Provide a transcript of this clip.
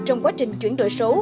trong quá trình chuyển đổi số